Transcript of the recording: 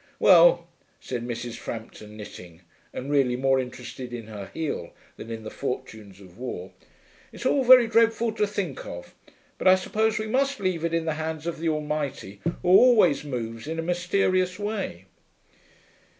'Well,' said Mrs. Frampton, knitting, and really more interested in her heel than in the fortunes of war, 'it's all very dreadful to think of. But I suppose we must leave it in the hands of the Almighty, who always moves in a mysterious way.'